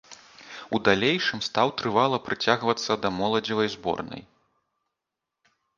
У далейшым стаў трывала прыцягвацца да моладзевай зборнай.